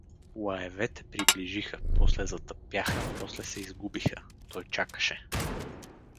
Лаевете приближиха, после затъпяха, после се изгубиха… Той чакаше.